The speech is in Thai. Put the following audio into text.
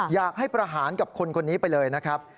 อยากให้ประหารกับคนคนนี้ไปเลยนะครับ